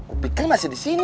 upik kan masih disini